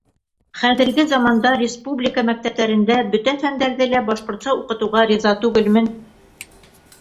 Хәҙерге заманда республика мәктәптәрендә бөтә фәндәрҙе лә башҡортса уҡытыуға риза түгелмен.